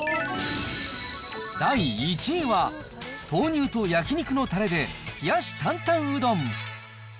第１位は、豆乳と焼き肉のたれで冷やし坦々うどん。